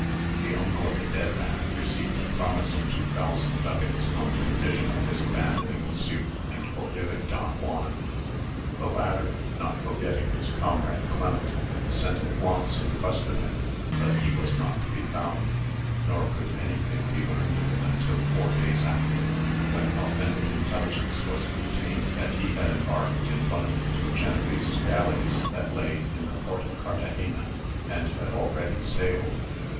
The uncle of the dead man received a promise of two thousand ducats on condition of his abandoning the suit and forgiving Don Juan. The latter, not forgetting his comrade Clement, sent at once in quest of him, but he was not to be found, nor could anything be learned of him until four days after, when authentic intelligence was obtained that he had embarked in one of two Genoese galleys that lay in the port of Cartagena, and had already sailed.